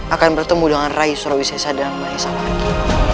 akan bertemu dengan rai surawisesa dan mbah esa lagi